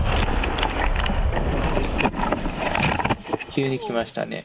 急にきましたね。